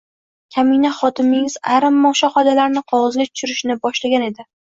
Kamina xodimingiz ayrim mushohadalarni qog‘ozga tushirishni boshlagan edi.